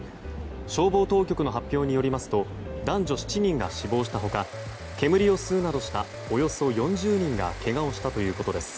消防当局の発表によりますと男女７人が死亡した他煙を吸うなどしたおよそ４０人がけがをしたということです。